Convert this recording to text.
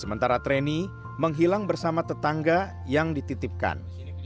sementara treni menghilang bersama tetangga yang dititipkan